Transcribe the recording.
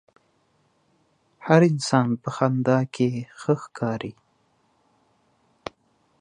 هر انسان په خندا کښې ښه ښکاري.